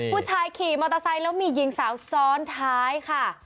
ผู้ชายขี่มอเตอร์ไซค์แล้วมีหญิงสาวซ้อนท้ายค่ะ